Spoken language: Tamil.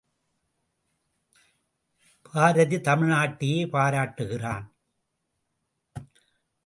பாரதி தமிழ் நாட்டையே பாராட்டுகிறான்.